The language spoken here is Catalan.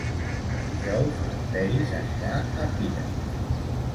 Dijous en Peris anirà a Pira.